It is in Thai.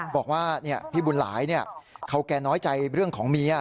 บอกว่าพี่บุญหลายเขาแกน้อยใจเรื่องของเมีย